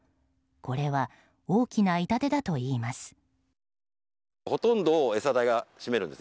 これは、大きな痛手だといいます。